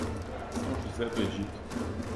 São José do Egito